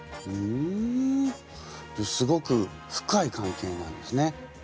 ふんすごく深い関係なんですね。